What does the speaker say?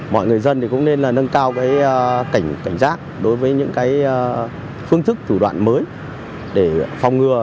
mọi người dân cũng nên nâng cao cảnh giác đối với những phương thức thủ đoạn mới để phòng ngừa